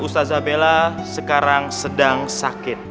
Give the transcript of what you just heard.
ustadzabella sekarang sedang sakit